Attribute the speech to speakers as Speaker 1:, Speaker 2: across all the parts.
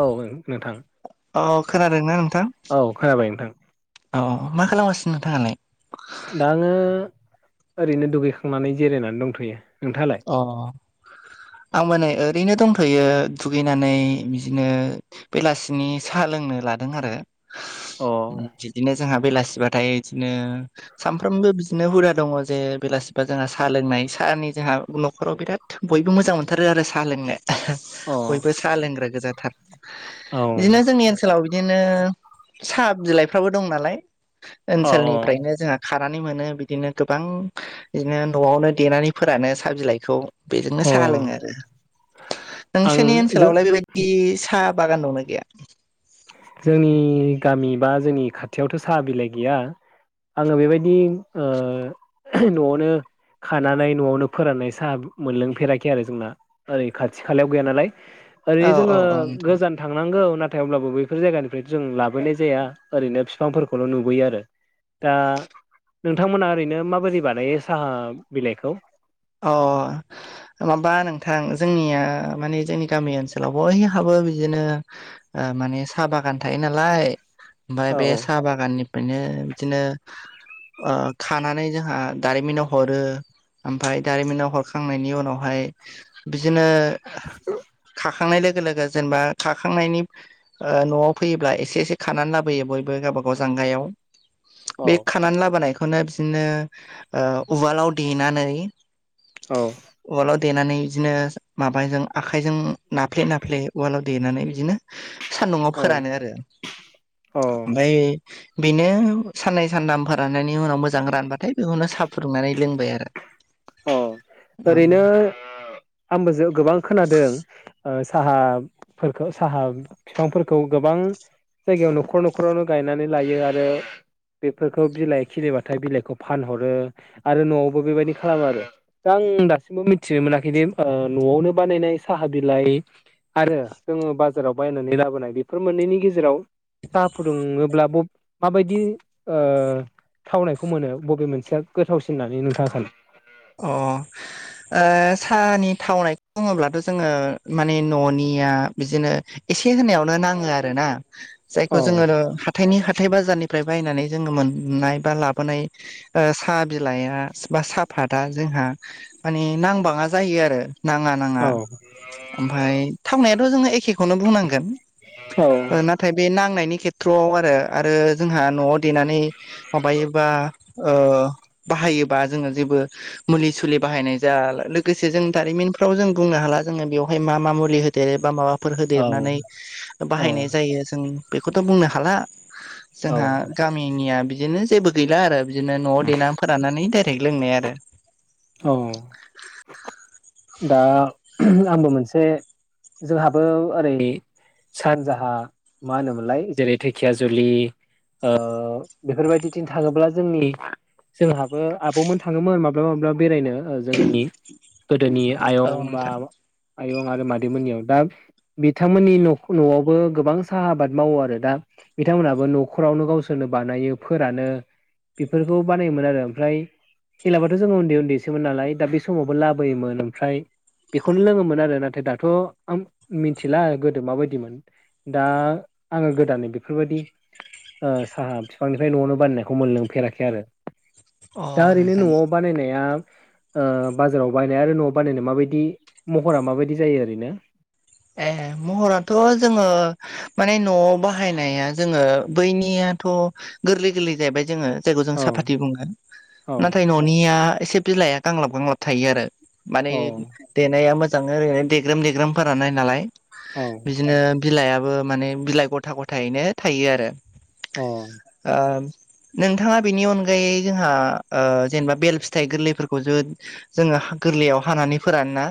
Speaker 1: औ नोंथां
Speaker 2: ह खोनादोंना नोंथां?
Speaker 1: औ खोनाबाय नोंथां
Speaker 2: औ मा खालामगासिनो नोंथाङालाय?
Speaker 1: दा आङो ओरैनो दुगैखांनानै जिरायनानै दंथ'यो नोंथाङालाय?
Speaker 2: अ आं मानै ओरैनो दंथ'यो दुगैनानै बिदिनो बेलासिनि साहा लोंनो लादों आरो।
Speaker 1: अ।
Speaker 2: बिदिनो जोंहा बेलासिबाथाय बिदिनो सामफ्रामबो बिदिनो हुदा दङ जे बेलासिबा जोंहा साहा लोंनाय साहानि जोंहा नखराव बिराद बयबो मोजां मोनथारो आरो साहा लोंनो।
Speaker 1: अ औ
Speaker 2: बयबो साहा लोंग्रा गोजाथार बिदिनो जोंनि ओनसोल लाव बिदिनो साहा बिलाइफ्राबो दं नालाय
Speaker 1: अ
Speaker 2: ओनसोलनिफ्रायनो जोंहा खानानै मोनो बिदिनो गोबां बिदिनो न'आवनो देनानै फोरानो साहा बिलाइखौ। बेजोंनो
Speaker 1: अ
Speaker 2: साहा लोङो आरो
Speaker 1: आं
Speaker 2: नोंसोरनि
Speaker 1: जों
Speaker 2: ओनसोलावलाय बेबाय दि साहा बागान दंना गैया
Speaker 1: जोंनि गामि बा जोंनि खाथियावथ' साहा बिलाइ गैया आङो बेबायदि ओ न'आवनो खानानै न'आवनो फोराननाय साहा मोनलोंफेराखै आरो जोंना ओरै खाथि खालायाव गैया नालाय
Speaker 2: औ
Speaker 1: ओरैनो
Speaker 2: औ
Speaker 1: जोङो
Speaker 2: औ नोंथां
Speaker 1: गोजान थांनांगौ नाथाय अब्लाबो ब बेफोर जायगानिफ्राय जों लाबोनाय जाया ओरैनो बिफांफोरखौल' नुबोयो आरो दा नोंथांमोना ओरैनो माबायदि बानायो साहा बिलाइखौ
Speaker 2: अ माबा नोंथां जोंनिया माने जोंनि गामि ओनसोलावबो बयहाबो बिदिनो ओ माने साहा बागान थायो नालाय ओमफाय
Speaker 1: औ
Speaker 2: बे साहा बागाननि ओरैनो बिदिनो ओ खानानै जोंहा दारिमिनाव हरो ओमफाय दारिमिनाव हरखांनायनि उनावहाय बिदिनो
Speaker 1: औ
Speaker 2: खाखांनाय लोगो लोगो जेनेबा खाखांनायनि ओ न'आव फैयोब्ला एसे एसे खानानै लाबोयो बयबो गावबा गाव जांगायाव
Speaker 1: औ
Speaker 2: बे खानानै लाबोनायखौनो बिदिनो ओ उवालाव देनानै
Speaker 1: औ
Speaker 2: उवालाव देनानै बिदिनो माबाजों आखायजों नाफ्ले नाफ्ले उवालाव देनानै बिदिनो सान्दुंङाआव फोरानो
Speaker 1: औ
Speaker 2: आरो ओमफ्राय बेनो साननै सानथाम फोर राननायनि उनाव मोजां रानबाथाय बेखौनो सा फुदुंनानै लोंबाय आरो
Speaker 1: औ ओरैनो आंबो गोबां खोनादों ओ साहाफोरखौ साहा बिफांफोरखौ गोबां जायगायाव न'खर न'खरावनो गायनानै लायो आरो बेफोरखौ बिलाइ खिलिबाथाय बिलाइखौ फानहरो आरो न'आवबो बेबायदि खालामो आरो दा आं दासिमबो मिथिनो मोनाखैदि न'आवनो बानायनाय साहा बिलाइ आरो जोङो बाजाराव बायनानै लाबोनाय बेफोर मोननैनि गेजेराव साहा फुदुङोब्लाबो बब माबायदि ओ थावनायखौ मोनो बबे मोनसेया गोथावसिन होननानै नोंथाङा सानो
Speaker 2: अ ओ साहानि थावनायखौ बुङोब्लाथ' जोङो माने न'निया बिदिनो एसे होनायावनो नाङो आरोना जायखौ
Speaker 1: औ
Speaker 2: जोङो हाथायनि हाथाय बाजारनिफ्राय बायनानै जोङो मोननाय बा लाबोनाय ओ साहा बिलाइआ बा सा फाथआ जोंहा मानि नांबाङा जायो आरो नाङा नाङा
Speaker 1: औ
Speaker 2: ओमफाय थावनायाबो जोङो एखेखौनो बुंनांगोन नाथाय बे नांनायनि खेथ्रआव आरो आरो जोंहा न'आव देनानै माबायोबा ओ बाहायोबा जोङो जेबो मुलि सुलि बाहायनाय जा लोगोसे जों दारिमिनफ्राव जों बुंनो हाला जोङो बेयावहाय मा मा मुलि हो दो बा माबाफोर होदेरनानै
Speaker 1: औ औ
Speaker 2: बाहायनाय जायो जों बेखौथ' बुंनो हाला
Speaker 1: औ
Speaker 2: जोंहा गामिनिया बिदिनो जेबो गैला आरो बिदिनो न'आव देनानै फोरानानानै डाइरेक्ट लोंनाय आरो
Speaker 1: औ
Speaker 2: [inaudible]
Speaker 1: दा आंबो मोनसे जोंहाबो ओरैनि सानजाहा मा होनोमोनलाय जेरै दिखियाजुलि ओ बेफोरबायदिथिं थाङोब्ला जोंनि जोंहाबो आबौमोन थाङोमोन माब्लाबा माब्लाबा बेरायनो जोंनि गोदोनि
Speaker 2: औ
Speaker 1: आयं बा
Speaker 2: नोंथां
Speaker 1: आयं आरो मादैमोननियाव दा बिथांमोननि' न'आवबो गोबां साहा आबाद मावो आरो दा बिथांमोनहाबो न'खरावनो गावसोरनो बानायो फोरानो बेफोरखौ बानायोमोन आरो ओमफ्राय हेलाबथ' जोङो उन्दै उन्दैसोमोन नालाय दा बे समावबो लाब बोयोमोन आमफ्राय बेखौनो लोङोमोन आरो नाथाय दाथ' आं मिथिला गोदो माबायदिमोन दा आङो गोदानै बेफोरबायदि साहा बिफांनिफ्राय न'आवनो बाननायखौ मोनलोंफेराखै आरो
Speaker 2: अ
Speaker 1: दा ओरैनो
Speaker 2: नोंथां
Speaker 1: न'आव बानायनाया बाजाराव बायनाय आरो न'आव बानायनाय माबायदि महरा माबायदि जायो ओरैनो
Speaker 2: ए महराथ' जोङो माने न'आव बाहायनाया जोङो बैनियाथ' गोरलै गोरलै जाहैबाय जोङो बिायखौ जों
Speaker 1: औ
Speaker 2: साफातथि बुङो
Speaker 1: औ
Speaker 2: नाथाय न'निया एसे बिलाइआ गांलाब गांलाब थायो आरो माने
Speaker 1: औ
Speaker 2: देनाया मोजां ओरैनो देग्रोम देग्रोमफोर नाय नालाय
Speaker 1: अ
Speaker 2: बिदिनो बिलाइायाबो माने बिलाइ गथा गथायैनो थायो आरो
Speaker 1: औ
Speaker 2: ओ नोंथाङा बेनि अनगायै जोंहा ओ जेनेबा बेल फिथाइ गोरलैफोरखौ जो जोङो गोरलैयाव हानानै फोरान ना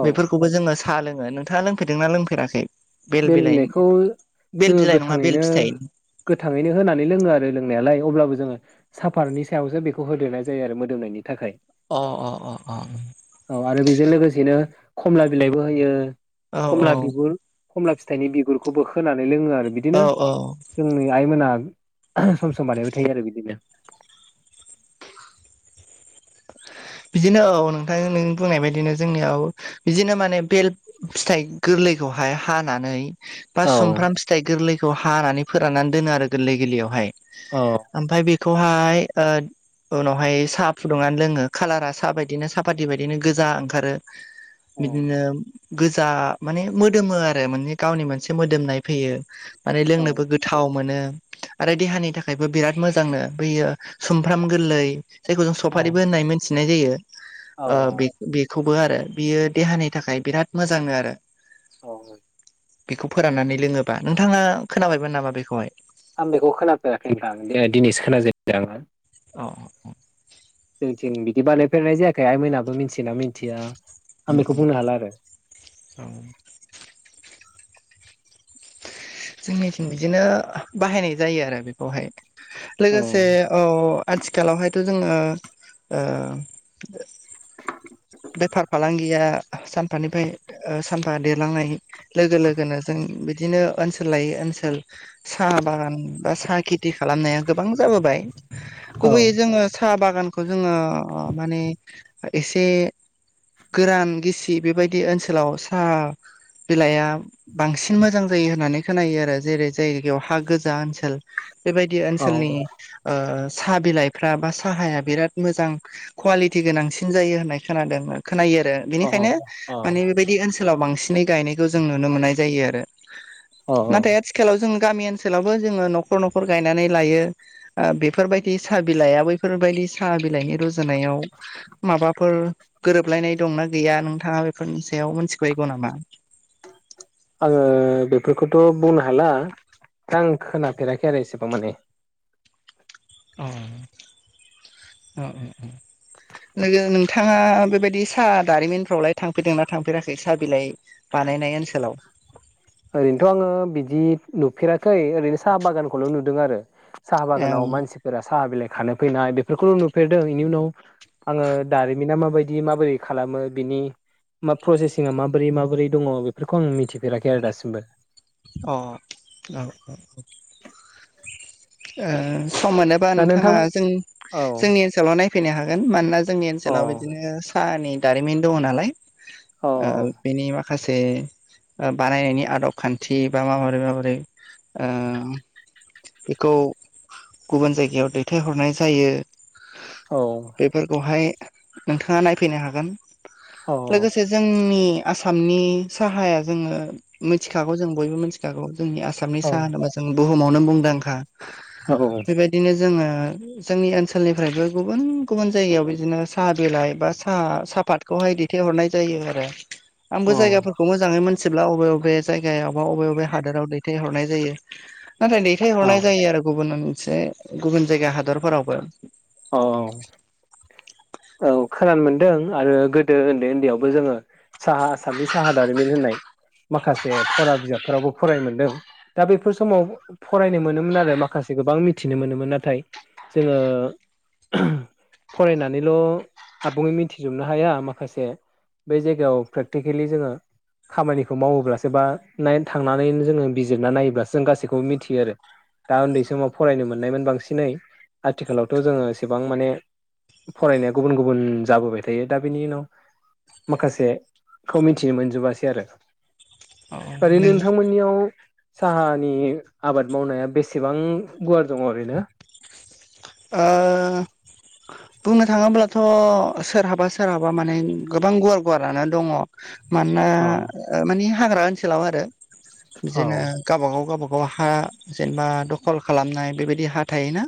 Speaker 1: औ
Speaker 2: बेफोरखौबो जोङो साहा लोङो। नोंथाङा लोंफेरदोंना लोंफेराखै? बेल
Speaker 1: बेहेल
Speaker 2: बिलाइनि
Speaker 1: बिलाइखौ
Speaker 2: बेल
Speaker 1: जोङो
Speaker 2: बिलाइ नङा बेल
Speaker 1: गोथाङैनो
Speaker 2: फिथाइ
Speaker 1: गोथाङैनो होनानै लोङो आरो लोंनायालाय अब्लाबो जोङो साफारनि सायावसो बेखौ होदेरनाय जायो आरो मोदोमनायनि थाखाय
Speaker 2: अ अ अ अ
Speaker 1: औ आरो बेजों लोगोसेनो खमला बिलाइबो होयो
Speaker 2: औ
Speaker 1: खमला
Speaker 2: औ
Speaker 1: बिगुर खमला फिथाइनि बिगुरखौबो खानै लोङो आरो
Speaker 2: औ
Speaker 1: बिदिनो
Speaker 2: औ
Speaker 1: जोंनि आइमोना सम सम बानायबाय थायो आरो बिदिनो
Speaker 2: बिदिनो औ नोंथां नों बुंनाय बायदिनो जोंनियाव बिदिनो माने बेहेल फिथाइ गोरलैखौहाय हानानै बा
Speaker 1: औ
Speaker 2: सुमफ्राम फिथाइ गोरलैखौ हानानै फोराननानै दोनो आरो गोरलै गोरलैयावहाय
Speaker 1: अ
Speaker 2: आमफ्राय बेखौहाय ओ उनावहाय साहा फुदुंनानै लोङो कालारा साहा बायदिनो सापादि बायदिनो गोजा ओंखारो
Speaker 1: औ
Speaker 2: बिदिनो गोजा माने मोदोमो आरो माने गावनि मोनसे मोदोमनाय फैयो माने लोंनोबो गोथाव मोनो आरो देहानि थाखायबो बिराद मोजांनो बैयो सुमफ्राम गोरलै जायखौ जों
Speaker 1: औ
Speaker 2: सफारिबो होननाय थिनाय जायो।
Speaker 1: औ
Speaker 2: ओ बेखौबो आरो बियो देहानि थाखाय बिराद मोजां आरो
Speaker 1: औ
Speaker 2: बेखौ फोराननानै लोङोबा नोंथाङा खोनाबायमोन नामा बेखौहाय
Speaker 1: आं बेखौ खोनाफेराखै नां दिनैसो खोनाजेनदों आंओ
Speaker 2: अ
Speaker 1: जोंथिं बिदि बानायफेरनाय जायाखै आइमोनहाबो मिथियोना मिथिया! आं
Speaker 2: उम
Speaker 1: बेखौ
Speaker 2: उम
Speaker 1: बुंनो हाला आरो
Speaker 2: औ जोंनिथिं बिदिनो बाहायनाय जायो आरो बेखौहाय
Speaker 1: औ
Speaker 2: लोगोसे औ आथिखालावहायथ' जोङो बेफार फालांगिया सानफानिफ्राय सानफा देरलांनाय लोगो लोगोनो जों बिदिनो ओनसोल लायै ओनसोल साहा बागान बा साहा खेथि खालामनाया गोबां जाबोबाय
Speaker 1: औ
Speaker 2: गुबैयै जोङो साहा बागानखौ जोङो माने एसे गोरान गिसि बेबायदि ओनसोलाव साहा बिलाइआ बांसिन मोजां जायो होननानै खोनायो आरो जेरै जाय जायगायाव हा गोजा ओनसोल बेफोरबायदि
Speaker 1: औ
Speaker 2: ओनसोलनि ओ साहा बिलाइफ्रा बा साहाया बिराद मोजां कुवालिटि गोनांसिन जायो होननाय खोनादों खोनायो आरो
Speaker 1: औ
Speaker 2: बेनिखायनो
Speaker 1: औ
Speaker 2: माने बेबायदि ओनसोलाव बांसिन -नै गायनायखौ जों नुनो मोननाय जायो आरो।
Speaker 1: औ औ
Speaker 2: नाथाय आथिखालाव जों गामि ओनसोलावबो जोङो न'खर न'खर गायनानै लायो। बेफोरबायदि साहा बिलाइआ बैफोरबायदि साहा बिलाइनि रुजुनायाव माबाफोर गोरोबलायनाय दंना गैया नोंथाङा बेफोरनि सायाव मोनथिबायगौ नामा?
Speaker 1: आङो बेफोरखौथ' बुंनो हाला दा आं खोनाफेराखै आरो एसेबां माने
Speaker 2: [unintelligible] लोगो नोंथाङा बेबायदि साहा दारिमिनफ्रावलाय थांफेरदों ना थांफेराखै साहा बिलाइ बानायनाय ओनसोलाव
Speaker 1: ओरैनोथ' आङो बिदि नुफेराखै ओरैनो साहा बागानखौल' नुदों आरो। साहा बागानाव मानसिफोरा साहा बिलाइ खानो फैनाय बेफोरखौल' नुफेरदों। बेनि उनाव आङो दारिमिना माबायदि माबोरै खालामो बिनि मा प्रसेसिंआ माबोरै -माबोरै दङ बेफोरखौ आं मिथिफेराखै आरो दासिमबो।
Speaker 2: अह औ औ। ओ सम मोनोबा
Speaker 1: दा नोंथां
Speaker 2: नोंथाङा जों
Speaker 1: औ
Speaker 2: जोंनि ओनसोलाव नायफैनो हागोन। मानोना जोंनि
Speaker 1: औ
Speaker 2: ओनसोलाव बिदिनो साहानि दारिमिन दङ नालाय
Speaker 1: औ
Speaker 2: ओ बेनि मा माखासे बानायनायनि आदब खान्थि बा माबोरै माबोरै ओ [unintelligible] गुबुन जायगायाव दैथायहरनाय जायो।
Speaker 1: औ।
Speaker 2: बेफोरखौहाय नोंथाङा नायफैनो हागोन
Speaker 1: औ
Speaker 2: लोगोसे जोंनि आसामनि साहाया जोङो मिथिखागौ जों बयबो मोनथि -खागौ जोंनि आसामनि
Speaker 1: औ
Speaker 2: साहा होनोबा जों बुहुमावनो मुंदांंखा।
Speaker 1: औ।
Speaker 2: बेबायदिनो जोङो जोंनि ओनसोलनिफ्रायबो गुबुन गुबुन जायगायाव बिदिनो साहा बिलाइ बा साहा साफात -खौहाय दैथायहरनाय जायो आरो। आंबो
Speaker 1: औ
Speaker 2: जायगाफोरखौ मोजाङै मिथिजोबला बबे बबे जायगायाव बा बबे बबे हादोराव दैथायहरनाय जायो। नाथाय दैथायहरनाय जायो आरो गुबुन मोनसे गुबुन जायगा हादरफोरावबो।
Speaker 1: औ औ औ खोनानो मोनदों आरो गोदो उन्दै उन्दैयावबो जोङो साहा आसामनि साहा दारिमिन होननाय माखासे फरा बिजाबफोरावबो फरायनो मोनदों। दा बेफोर समाव फरायनो मोनोमोन आरो माखासे गोबां मिथिनो मोनोमोन नाथाय जोङो फरायनानैल' आबुङै मिथिजोबनो हाया माखासे बे जायगायाव प्रेक्टिकेलि जोङो खामानिखौ मावोब्लासो बा नाय थांनानै जोङो बिजिरना नायोब्लासो जों गासैखौबो मिथियो आरो। दा उन्दै समाव फरायनो मोननायमोन बांसिनै आथिखालावथ' जोङो एसेबां माने फरायनाया गुबुन गुबुन जाबोबाय थायो दा बेनि उनाव माखासे खौ मिथिनो मोनजोबासै आरो
Speaker 2: औ
Speaker 1: ओरैनो
Speaker 2: नों
Speaker 1: नोंथांमोन -नियाव साहानि आबाद मावनाया बेसेबां गुवार दङ ओरैनो?
Speaker 2: ओ बुंनो थाङोब्ला थ' सोरहाबा सोरहाबा माने गोबां गुवार गुवारानो दङ मानोना
Speaker 1: औ
Speaker 2: मानि हाग्रा ओनसोलाव आरो
Speaker 1: औ
Speaker 2: बिदिनो गावबा-गाव गावबा-गाव हा जेनेबा दखल खालामनाय बेबायदि हा थायोना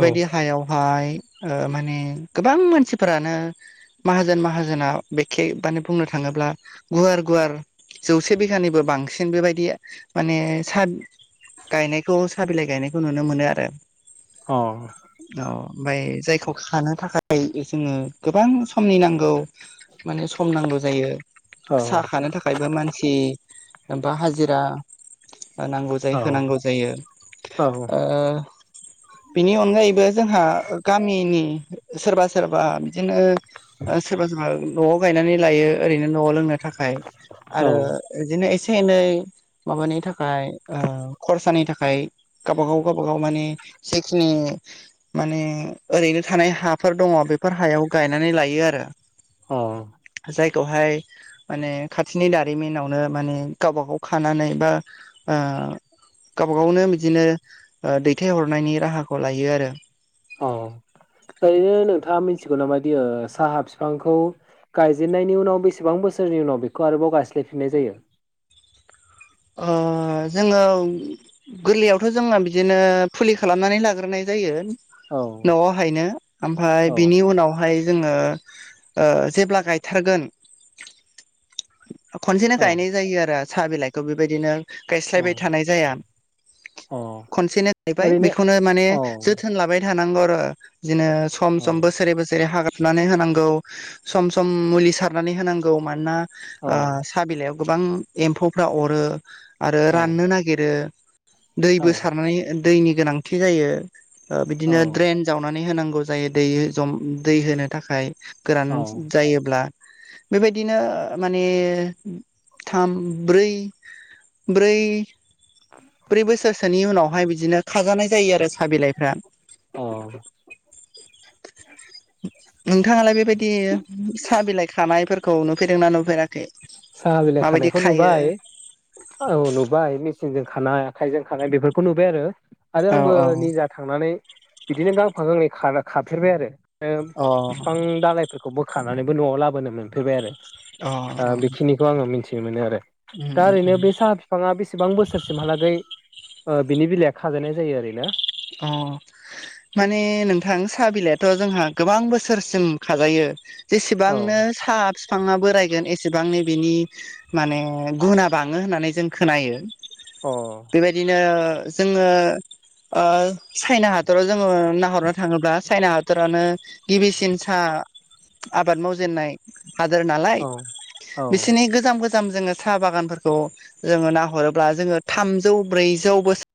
Speaker 1: औ
Speaker 2: हायावहाय ओ माने गोबां मानसिफोरानो माहाजोन माहाजोना बेखे बाने बुंनो थाङोब्ला गुवार गुवार जौसे बिघानिबो बांसिन बेबायदि माने सा गायनायखौ साहा बिलाइ गायनायखौ नुनो मोनो आरो।
Speaker 1: अ।
Speaker 2: औ ओमफ्राय जायखौ खानो थाखाय जोङो गोबां समनि नांगौ। माने सम नांगौ जायो।
Speaker 1: औ
Speaker 2: सा खानो थाखायबो मानसि बा हाजिरा नांगौ। जाय होनांगौ जायो
Speaker 1: औ
Speaker 2: ओ बिनि अनगायैबो जोंहा गामिनि सोरबा सोरबा बिदिनो सोरबा सोरबा न'आव गायनानै लायो ओरैनो न'आव लोंनो थाखाय
Speaker 1: औ
Speaker 2: आरो दिनो एसे एनै माबानि थाखाय खरसानि थाखाय गावब गाव गावबागाव माने खिनि माने ओरैनो थानाय हाफोर दङ बेफोर हायाव गायनानै लायो आरो
Speaker 1: अ
Speaker 2: जायखौहाय माने खाथिनि दारिमिनावनो माने गावबा गाव खानानै बा ओ गावबा गावनो बिदिनो दैथायहरनायनि राहाखौ लायो आरो
Speaker 1: अ
Speaker 2: [unintelligible]
Speaker 1: ओरैनो नोंथाङा मिथिगौ नामादि साहा बिफांखौ गायजेननायनि उनाव बेसेबां बोसोरनि उनाव बेखौ आरोबाव गायस्लायफिननाय जायो?
Speaker 2: ओ जोङो गोरलैयावथ' जोङो बिदिनो फुलि खालामनानै लाग्रोनाय जायो।
Speaker 1: औ
Speaker 2: न'आवहायनो ओमफ्राय
Speaker 1: औ
Speaker 2: बिनि उनावहाय जोङो ओ जेब्ला गायथारगोन खनसेनो
Speaker 1: औ
Speaker 2: गायनाय जायो आरो साहा बिलाइखौ बेबायदिनो
Speaker 1: औ
Speaker 2: गायस्लायबाय थानाय जाया।
Speaker 1: औ
Speaker 2: खनसेनो गायबाय
Speaker 1: ओरैनो
Speaker 2: बेखौनो माने
Speaker 1: औ
Speaker 2: जोथोन लाबाय थानांगौ आरो बिदिनो सम
Speaker 1: औ
Speaker 2: सम बोसोरै बोसोरै हाग्रा सुनानै होनांगौ सम सम मुलि सारनानै होनांगौ मानोना
Speaker 1: औ
Speaker 2: साहा बिलाइयाव गोबां एम्फौफ्रा अरो आरो राननो नागिरो दैबो सारनानै दैनि गोनांथि जायो
Speaker 1: औ
Speaker 2: बिदिनो ड्रेन जावनानै होनांगौ जायो दै जम दै होनो थाखाय गोरान
Speaker 1: औ
Speaker 2: जायोब्ला बेबायदिनो माने थाम ब्रै ब्रै
Speaker 1: [unintelligible]
Speaker 2: ब्रै बोसोरसोनि उनावहाय बिदिनो खाजानाय जायो आरो साहा बिलाइफ्रा
Speaker 1: अ
Speaker 2: नोंथाङालाय बेबायदि साहा बिलाइ खानायफोर खौ नुफेरदों ना नुफेराखै
Speaker 1: साहा बिलाय
Speaker 2: माबायदि
Speaker 1: खानायखौ
Speaker 2: खायो?
Speaker 1: नुबाय औ नुबाय मेचिनजों खानाय आखाइजों खानाय बेफोरखौ नुबाय आरो आरो
Speaker 2: औ
Speaker 1: आंबो
Speaker 2: औ
Speaker 1: निजा थांनानै बिदिनो गांफा गांनै खाफेरबाय आरो
Speaker 2: अ
Speaker 1: बिफां दालइ बेखौ बोखानानैबो न'आव लाबोनो मोनफेरबाय आरो
Speaker 2: अ अ
Speaker 1: बेखौ आङो मिथिनो मोनो आरो
Speaker 2: उम
Speaker 1: दा
Speaker 2: उम
Speaker 1: ओरैनो
Speaker 2: उम
Speaker 1: बे साहा बिफां बिफाङा बेसेबां बोसोरसिमहालागै बिनि बिलाइया खाजायनाय जायो ओरैनो
Speaker 2: अ माने नोंथां साहा बिलाइथ' जोंहा गोबां बोसोरसिम खाजायो।
Speaker 1: औ
Speaker 2: जेसेबांनो साहा बिफाङा बोरायगोन एसेबांनो बिनि माने गुना बाङो होननानै जों खोनायो।
Speaker 1: अ
Speaker 2: बेबायदिनो जोङो ओ चाइना हादराव जोङो नाहरनो थाङोब्ला चाइना हादरानो गिबिसिन सा आबाद मावजेननाय हादोर नालाय
Speaker 1: औ औ
Speaker 2: बिसोरनि गोजाम गो जोङो साहा बागानफोरखौ जोङो नाहरोब्ला जोङो थामजौ ब्रैजौ बोसोर